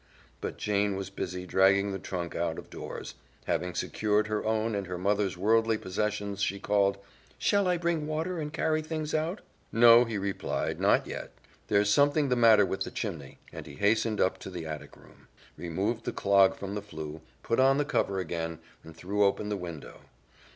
But Jane was busy dragging the trunk out of doors. Having secured her own and her mother's worldly possessions, she called, "Shall I bring water and carry things out?" "No," he replied, "not yet. There's something the matter with the chimney," and he hastened up to the attic room, removed the clog from the flue, put on the cover again, and threw open the window.